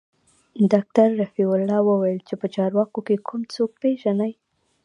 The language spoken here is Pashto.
ډاکتر رفيع الله وويل چې په چارواکو کښې کوم څوک پېژني.